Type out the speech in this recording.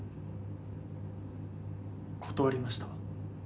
断りました。